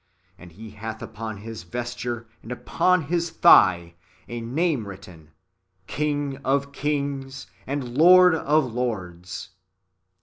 And He hath upon His vesture and upon His thigh a name written. King of kings and Lord of lords."